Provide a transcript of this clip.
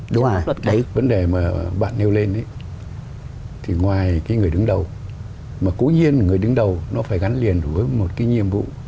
đó là cái vấn đề mà bạn nêu lên thì ngoài cái người đứng đầu mà cố nhiên người đứng đầu nó phải gắn liền với một cái nhiệm vụ